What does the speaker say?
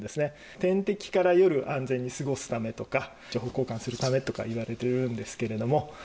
天敵から夜、安全に過ごすためですとか、情報交換するためとかいわれてるんですけれども。